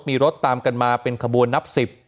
มีรถตามกันมาเป็นขบวนนับ๑๐